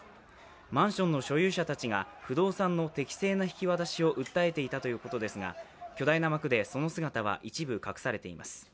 マンションの所有者たちが不動産の適正な引渡しを訴えていたということですが巨大な幕でその姿は一部隠されています。